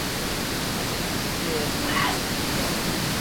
さて邸へは忍び込んだもののこれから先どうして善いか分からない